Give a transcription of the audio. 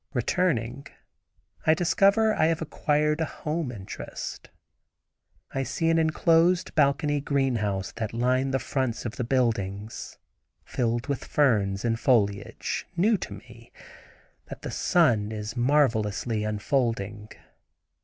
Returning, I discover I have acquired a home interest. I see an enclosed balcony greenhouse, that line the fronts of the buildings, filled with ferns and foliage, new to me, that the sun is marvelously unfolding.